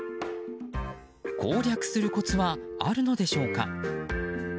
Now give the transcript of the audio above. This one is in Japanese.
攻略するコツはあるのでしょうか。